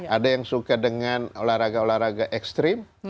ada yang suka dengan olahraga olahraga ekstrim